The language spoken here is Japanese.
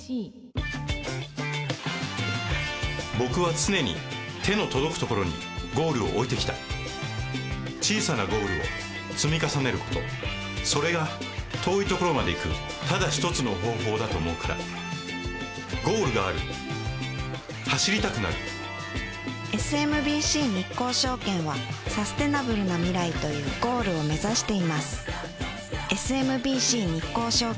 僕は常に手の届くところにゴールを置いてきた小さなゴールを積み重ねることそれが遠いところまで行くただ一つの方法だと思うからゴールがある走りたくなるＳＭＢＣ日興証券はサステナブルな未来というゴールを目指していますＳＭＢＣ日興証券